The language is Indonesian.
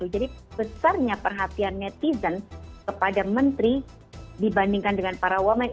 jadi besarnya perhatian netizen kepada mentri dibandingkan dengan para wamen